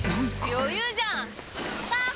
余裕じゃん⁉ゴー！